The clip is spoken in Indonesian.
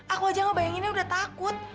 aku aja ngebayanginnya udah takut